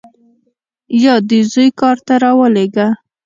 یا دې زوی کار ته راولېږه.